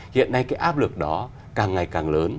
hiện nay cái áp lực đó càng ngày càng lớn